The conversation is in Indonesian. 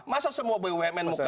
masa semua bumn mukanya dia